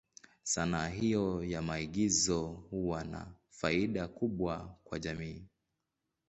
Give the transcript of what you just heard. Sanaa hiyo ya maigizo huwa na faida kubwa kwa jamii.